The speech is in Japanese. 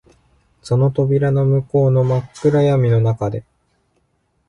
その扉の向こうの真っ暗闇の中で、